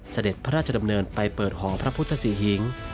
เสด็จพระราชดำเนินไปเปิดหอพระพุทธศรีหิง